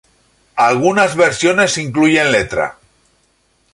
Algunas versiones incluyen letra.